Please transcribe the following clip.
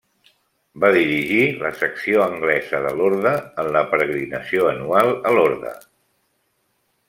Va dirigir la secció anglesa de l'orde en la peregrinació anual a Lorda.